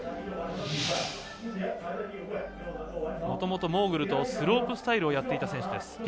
もともとモーグルとスロープスタイルをやっていた選手です。